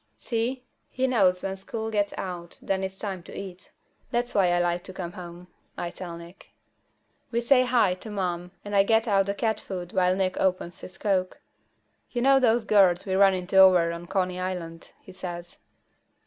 "See? He knows when school gets out then it's time to eat. That's why I like to come home," I tell Nick. We say "Hi" to Mom, and I get out the cat food while Nick opens his coke. "You know those girls we ran into over on Coney Island?" he says.